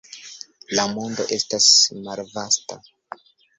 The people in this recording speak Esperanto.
La mondo estas malvasta.